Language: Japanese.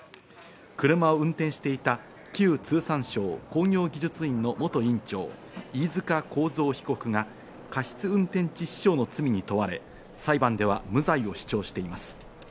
車を運転していた旧通産省工業技術院の元院長・飯塚幸三被告が過失運転致死傷の罪に問われ裁判では無罪を主張しています。